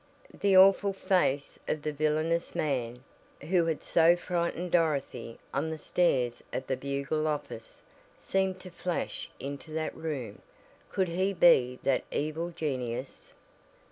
The awful face of the villainous man, who had so frightened Dorothy on the stairs of the Bugle office, seemed to flash into that room. Could he be that evil genius?